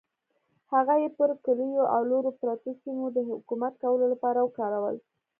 هغه یې پر کلیو او لرو پرتو سیمو د حکومت کولو لپاره وکارول.